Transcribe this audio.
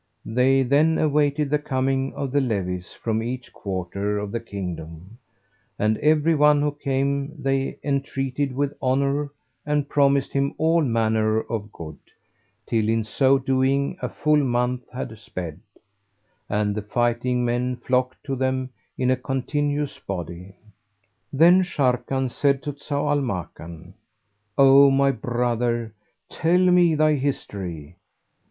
[FN#382] They then awaited the coming of the levies from each quarter of the kingdom, and every one who came they entreated with honour and promised him all manner of good; till in so doing a full month had sped, and the fighting men flocked to them in a continuous body. Then Sharrkan said to Zau al Makan, "O my brother, tell me thy history."